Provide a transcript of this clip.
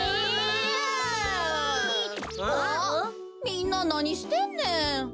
みんななにしてんねん。